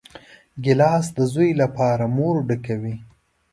ګیلاس د زوی لپاره مور ډکوي.